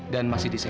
dan masih di disini